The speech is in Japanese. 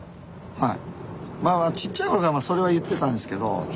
はい。